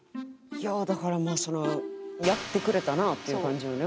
いやだからまあそのやってくれたなっていう感じよね